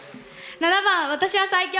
７番「私は最強」。